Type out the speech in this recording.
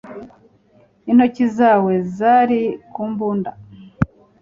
Intoki zawe zari ku mbunda